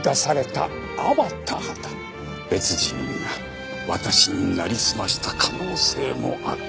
別人が私になりすました可能性もある。